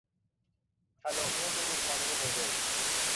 تلاقی دو رودخانهی بزرگ